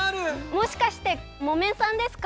もしかしてモメンさんですか？